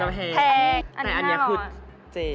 นะอันนี้คือเจ